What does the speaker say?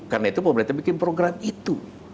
karena itu pemerintah bikin program itu